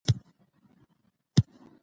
په لیلا هر سړی مين دی